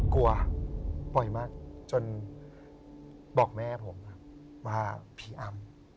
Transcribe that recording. กลัวบ่อยมากจนบอกแม่ผมว่าผีอำ